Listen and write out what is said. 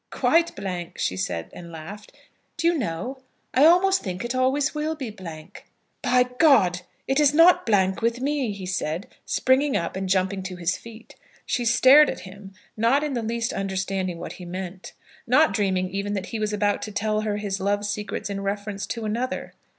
"] "Quite blank," she said, and laughed. "Do you know, I almost think it always will be blank." "By G ! it is not blank with me," he said, springing up and jumping to his feet. She stared at him, not in the least understanding what he meant, not dreaming even that he was about to tell her his love secrets in reference to another.